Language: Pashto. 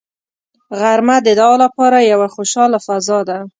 غرمه د دعا لپاره یوه خوشاله فضا ده